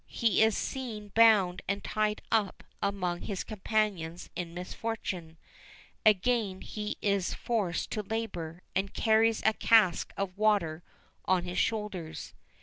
He is seen bound and tied up among his companions in misfortune again he is forced to labour, and carries a cask of water on his shoulders.